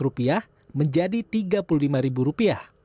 rp lima menjadi rp tiga puluh lima